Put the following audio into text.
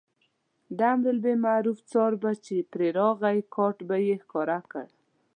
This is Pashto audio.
د امربالمعروف څار به چې پرې راغی کارټ به یې ښکاره کړ.